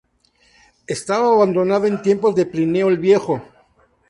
Estaba abandonada en tiempos de Plinio el Viejo.